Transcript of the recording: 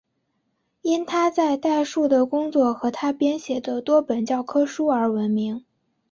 因他在代数的工作和他编写的多本教科书而闻名。